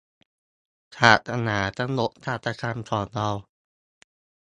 ศาสนากำหนดการกระทำของเรา